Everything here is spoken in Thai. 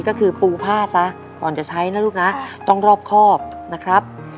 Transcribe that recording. ก็คือปูผ้าซะก่อนจะใช้นะลูกนะต้องรอบครอบนะครับ